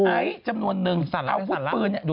ไอ้จำนวนนึงสั่นแล้วสั่นแล้ว